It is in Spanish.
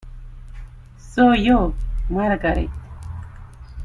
Soy yo, Margaret.